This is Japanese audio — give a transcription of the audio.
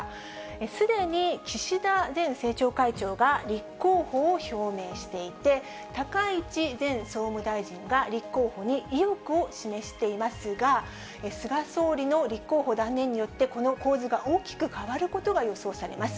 すでに岸田前政調会長が立候補を表明していて、高市前総務大臣が立候補に意欲を示していますが、菅総理の立候補断念によって、この構図が大きく変わることが予想されます。